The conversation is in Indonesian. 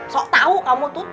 sok tau kamu tuh